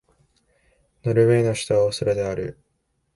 ノルウェーの首都はオスロである